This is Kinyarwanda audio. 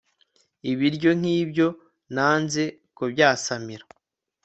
ibiryo nk'ibyo nanze kubyasamira